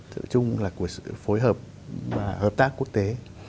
sự chung là của sự phối hợp và hợp tác quốc tế